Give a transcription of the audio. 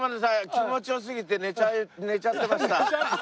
気持ちよすぎて寝ちゃってました。